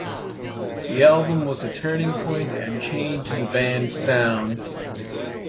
The album was a turning point and change in the band's sound.